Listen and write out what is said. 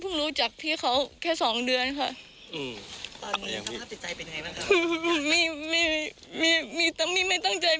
พรุ่งรู้จักพี่เขาแค่สองเดือนค่ะอืมตอนนี้ค่ะภาพติดใจเป็น